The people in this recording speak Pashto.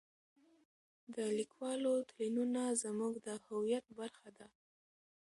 د لیکوالو تلینونه زموږ د هویت برخه ده.